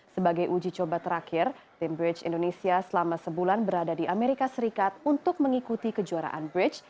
sebagai uji coba terakhir tim bridge indonesia selama sebulan berada di amerika serikat untuk mengikuti kejuaraan bridge